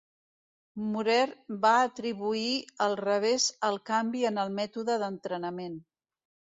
Murer va atribuir el revés al canvi en el mètode d'entrenament.